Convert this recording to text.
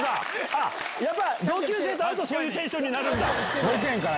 やっぱり同級生と会うと、そういうテンションになるんだ。